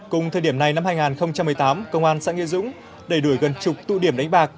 cùng thời điểm này năm hai nghìn một mươi tám công an xã nghĩa dũng đẩy đuổi gần chục tụ điểm đánh bạc